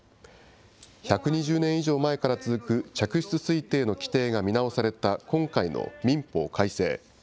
１２０年以上前から続く嫡出推定の規定が見直された今回の民法改正。